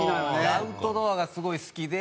アウトドアがすごい好きで。